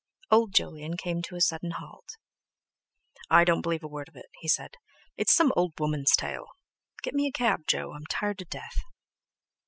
Old Jolyon came to a sudden halt. "I don't believe a word of it," he said, "it's some old woman's tale. Get me a cab, Jo, I'm tired to death!"